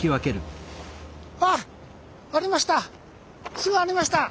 あっありました！